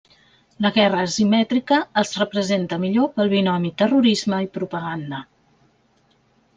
La guerra asimètrica es representa millor pel binomi terrorisme i propaganda.